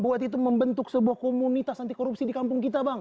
buat itu membentuk sebuah komunitas anti korupsi di kampung kita bang